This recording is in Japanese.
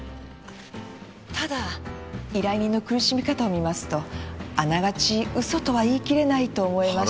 ただ依頼人の苦しみ方を見ますとあながち嘘とは言い切れないと思えまして。